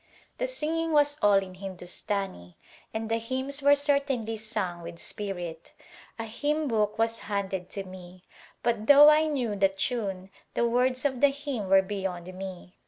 The singing was all in Hindustani and the hymns were certainly sung with spirit. A hymn book was handed to me but though I knew the tune the words of the hymn were beyond me.